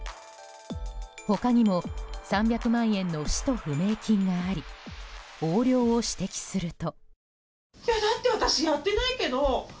他にも３００万円の使途不明金があり横領を指摘すると。